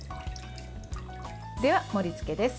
では、盛りつけです。